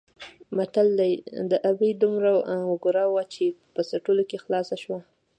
متل دی: د ابۍ دومره وګره وه چې په څټلو کې خلاصه شوه.